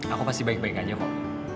aku pasti baik baik aja kok